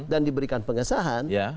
dan diberikan pengesahan